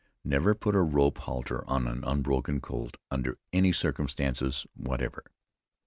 Never put a rope halter on an unbroken colt under any circumstances whatever.